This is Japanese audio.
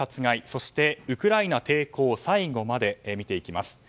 そしてウクライナ抵抗、最後まで見ていきます。